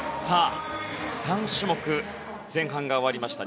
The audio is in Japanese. ３種目、前半が終わりました。